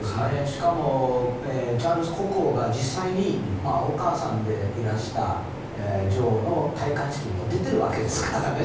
しかもチャールズ国王が実際にお母さんでいらした女王の戴冠式も出ているわけですからね。